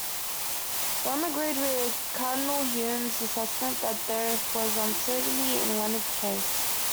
Rome agreed with Cardinal Hume's assessment that there was uncertainty in Leonard's case.